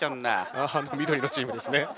あ緑のチームですね。